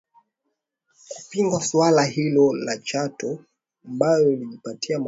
kupinga suala hilo la Chato ambayo ilijipatia umaarufu wa kipekee